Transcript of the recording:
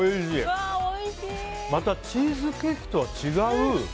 またチーズケーキとは違う。